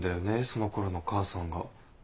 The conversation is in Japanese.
その頃の母さんが。